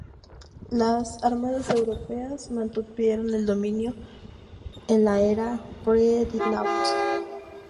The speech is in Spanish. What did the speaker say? Las armadas europeas, mantuvieron el dominio en la era del pre-dreadnought.